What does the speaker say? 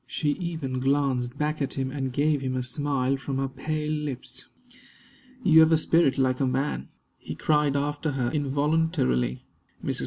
She even glanced back at him, and gave him a smile from her pale lips. "You have a spirit like a man!" he cried after her, involuntarily. Mrs.